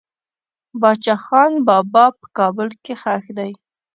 باچا خان بابا په کابل کې خښ دي.